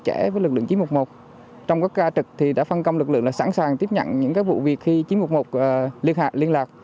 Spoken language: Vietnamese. nhiều lực lượng chín trăm một mươi một đã phân công lực lượng sẵn sàng tiếp nhận những vụ việc khi chín trăm một mươi một liên hạc